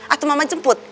atau mama jemput ya